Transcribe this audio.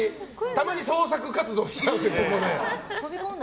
たまに創作活動しちゃうので。